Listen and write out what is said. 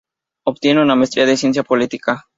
Obtiene una Maestría de Ciencia política.